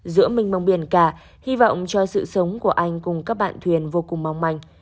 giữa minh mông biển cả hy vọng cho sự sống của anh cùng các bạn thuyền vô cùng mong manh